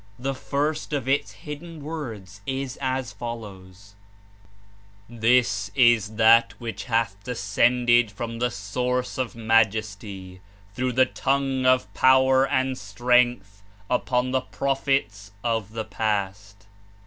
The first of its "Hidden Words'* is as follows : ^'This is that which hath descended from the Source of Majesty, through the tongue of Power and Strength upon the prophets of the past.